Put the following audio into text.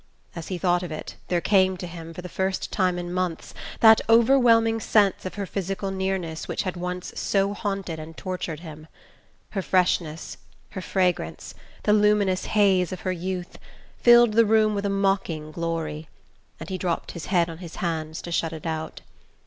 As he thought of it, there came to him, for the first time in months, that overwhelming sense of her physical nearness which had once so haunted and tortured him. Her freshness, her fragrance, the luminous haze of her youth, filled the room with a mocking glory; and he dropped his head on his hands to shut it out....